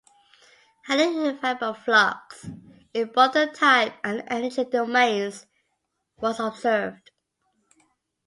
Highly variable flux, in both the time and energy domains, was observed.